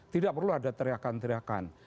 tidak perlu ada teriakan teriakan